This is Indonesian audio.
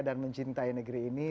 dan mencintai negeri ini